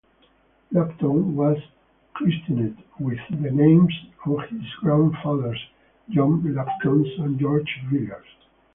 Lambton was christened with the names of his grandfathers, John Lambton and George Villiers.